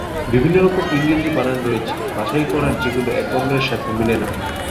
বিভিন্ন রকম ইংরেজি বানান রয়েছে বাছাই করার যেগুলো একে অন্যের সাথে মিলে না।